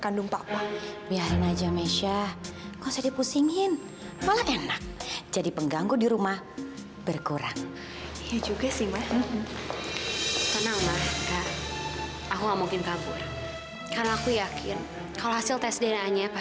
sampai jumpa di video selanjutnya